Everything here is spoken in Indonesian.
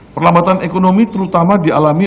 perlambatan ekonomi terutama dialami